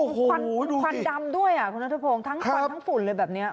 ควันควันดำด้วยอ่ะคุณนัทพงศ์ทั้งควันทั้งฝุ่นเลยแบบนี้